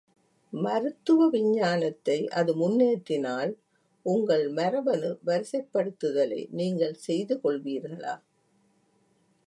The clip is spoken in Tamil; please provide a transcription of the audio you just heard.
மருத்துவ விஞ்ஞானத்தை அது முன்னேற்றினால், உங்கள் மரபணு வரிசைப்படுத்துதலை நீங்கள் செய்துக்கொள்வீர்களா?